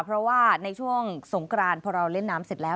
เพราะว่าในช่วงสงกรานพอเราเล่นน้ำเสร็จแล้ว